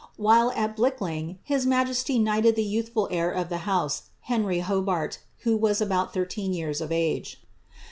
While at Blickling, his majesty knighted the youthful of the house, Henry Hobart, who was about thirteen years of age.